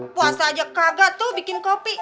puasa aja kaget tuh bikin kopi